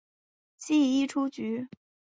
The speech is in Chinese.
记一出局。